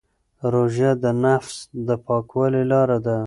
روژه د نفس د پاکوالي لاره ده.